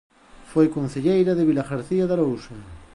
Foi concelleira de Vilagarcía de Arousa.